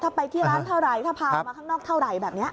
ถ้าไปที่ร้านเท่าไหร่ถ้าพาออกมาข้างนอกเท่าไหร่แบบนี้